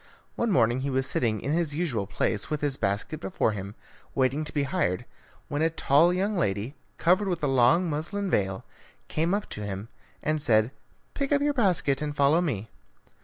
One morning he was sitting in his usual place with his basket before him, waiting to be hired, when a tall young lady, covered with a long muslin veil, came up to him and said, "Pick up your basket and follow me."